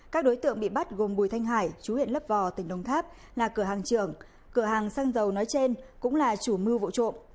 các đối tượng bị bắt gồm bùi thanh hải chú huyện lấp vò tỉnh đồng tháp là cửa hàng trưởng cửa hàng xăng dầu nói trên cũng là chủ mưu vụ trộm